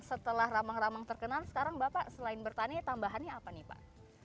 setelah ramang ramang terkenal sekarang bapak selain bertani tambahannya apa nih pak